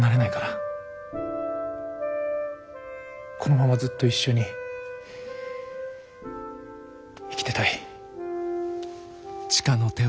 このままずっと一緒に生きてたい。